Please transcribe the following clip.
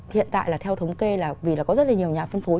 hiện tại là theo thống kê là vì là có rất là nhiều nhà phân phối